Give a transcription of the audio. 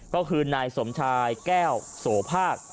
ก็คือนายสมชายแก้วโสภาค